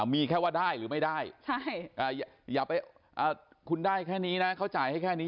มีแค่ว่าได้หรือไม่ได้อย่าไปคุณได้แค่นี้นะเขาจ่ายให้แค่นี้